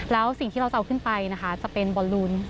แล้วสิ่งที่เราจะเอาขึ้นไปนะคะจะเป็นบอลลูน